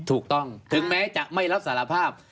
ถูกต้องถึงแม้จะไม่รับสารภาพ